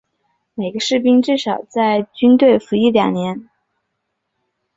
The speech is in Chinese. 每个士兵至少要在军队服役两年。